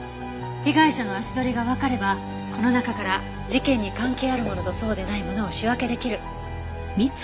被害者の足取りがわかればこの中から事件に関係あるものとそうでないものを仕分けできる。